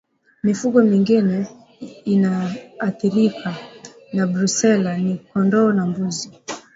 Mifugo mingine inayoathirika na Brusela ni kondoo na mbuzi